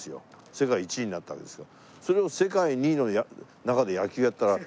世界１位になったわけですよ。